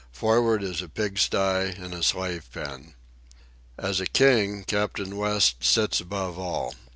For'ard is a pig sty and a slave pen. As a king, Captain West sits above all.